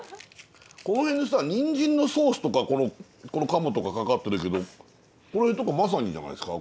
この辺さニンジンのソースとかこの鴨とかかかってるけどこれとかまさにじゃないですか？